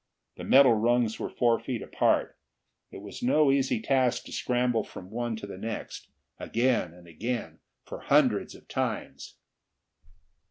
The metal rungs were four feet apart; it was no easy task to scramble from one to the next, again and again, for hundreds of times.